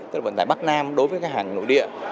tức là vận tải bắc nam đối với khách hàng nội địa